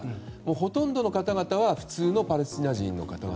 ほとんどの方々は普通のパレスチナ人の方々。